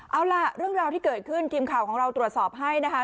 เอาล่ะเรื่องราวที่เกิดขึ้นทีมข่าวของเราตรวจสอบให้นะคะ